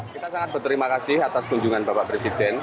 kita sangat berterima kasih atas kunjungan bapak presiden